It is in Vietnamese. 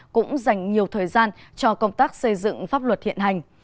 cũng dành nhiều thời gian cho công tác xây dựng pháp luật hiện hành